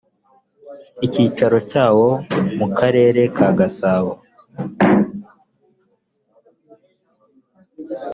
icyicaro cyawo mu karere ka gasabo